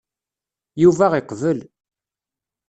Yuba iqbel.